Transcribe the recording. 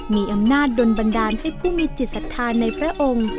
มีอำนาจโดนบันดาลให้ผู้มีจิตศักดิ์ศาสตร์ในพระองค์